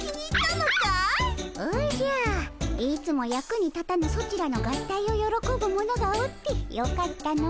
おじゃいつも役に立たぬソチらの合体をよろこぶ者がおってよかったの。